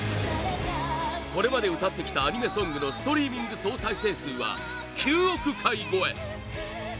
これまで歌ってきたアニメソングのストリーミング総再生数は９億回超え